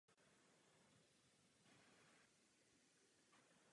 Jsme rovněž znepokojeni obavami o zdraví pana Chu Ťie.